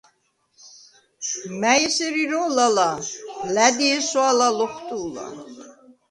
მა̈ჲ ესერ ირო̄ლ ალა̄, ლა̈დი ესვა̄ლა ლოხვტუ̄ლა: